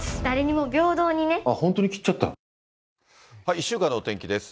１週間のお天気です。